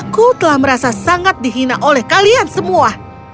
kau tidak bisa sangat dihina oleh kalian semua